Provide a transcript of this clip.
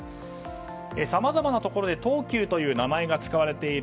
さまざまなところで東急という名前が使われている。